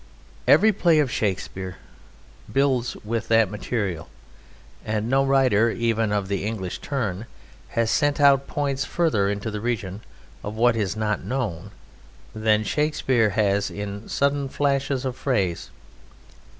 Every play of Shakespeare builds with that material, and no writer, even of the English turn, has sent out points further into the region of what is not known than Shakespeare has in sudden flashes of phrase.